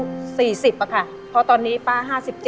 เพราะตอนนี้ป้า๕๗